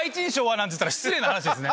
なんつったら失礼な話ですね。